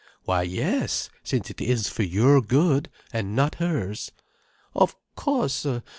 "Why yes, since it is for your good, and not hers." "Of course!